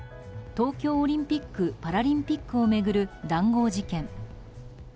東京オリンピック・パラリンピックを巡る談合事件。